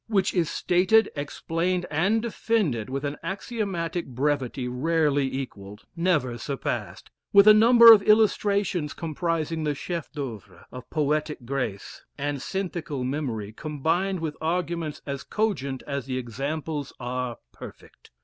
which is stated, explained, and defended with an axiomatic brevity rarely equalled, never surpassed with a number of illustrations comprising the chef d'oeuvre of poetic grace, and synthical melody combined with arguments as cogent as the examples are perfect.